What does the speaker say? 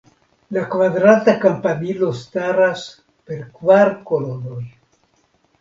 La kvadrata kampanilo staras per kvar kolonoj.